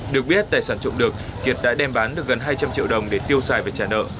được biết tài sản trộm đực kiệt đã đem bán được gần hai trăm linh triệu đồng để tiêu sài về trả nợ